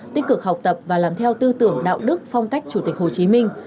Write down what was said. tích cực học tập và làm theo tư tưởng đạo đức phong cách chủ tịch hồ chí minh